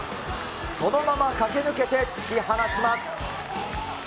そのまま駆け抜けて、突き放します。